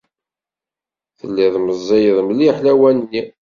Telliḍ meẓẓiyeḍ mliḥ lawan-nni.